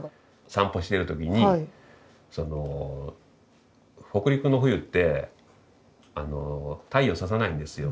散歩してる時にその北陸の冬って太陽ささないんですよ。